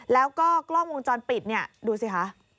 แล้วก็กล้องวงจรปิดเนี่ยดูสิคะ